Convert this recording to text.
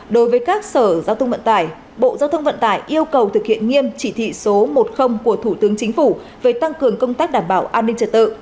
đối với các sở giao thông vận tải bộ giao thông vận tải yêu cầu thực hiện nghiêm chỉ thị số một của thủ tướng chính phủ về tăng cường công tác đảm bảo an ninh trật tự